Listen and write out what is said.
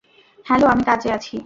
Hello, আমি কাজে আছি।